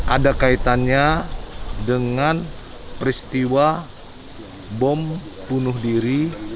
ada kaitannya dengan peristiwa bom bunuh diri